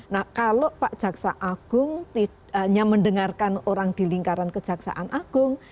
nah kalau pak jaksa agung hanya mendengarkan orang di lingkaran kejaksaan agung